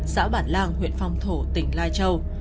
xã bản lang huyện phong thổ tỉnh lai châu